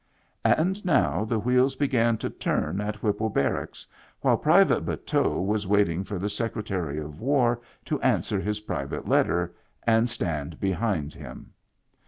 And now the wheels began to turn at Whipple Barracks while Private Bateau was waiting for the Secretary of War to answer his private letter, and stand behind him.